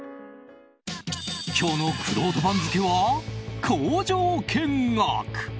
今日のくろうと番付は工場見学。